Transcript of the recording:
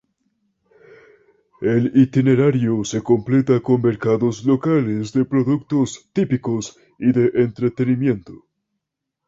El itinerario se completa con mercados locales de productos típicos y de entretenimiento.